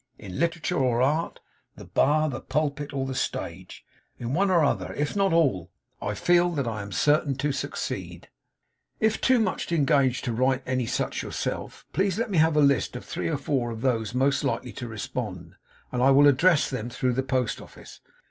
In literature or art; the bar, the pulpit, or the stage; in one or other, if not all, I feel that I am certain to succeed. 'If too much engaged to write to any such yourself, please let me have a list of three or four of those most likely to respond, and I will address them through the Post Office.